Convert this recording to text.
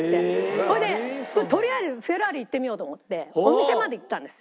それでとりあえずフェラーリ行ってみようと思ってお店まで行ったんです。